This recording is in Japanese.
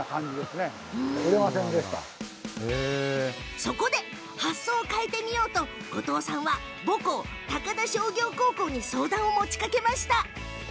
そこで発想を変えてみようと後藤さんの母校高田商業高校に相談を持ちかけました。